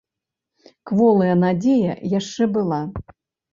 Кволая надзея яшчэ была.